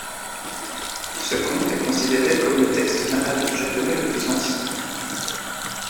Ce conte est considéré comme le texte narratif japonais le plus ancien.